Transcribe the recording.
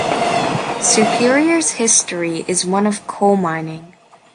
Superior's history is one of coal mining.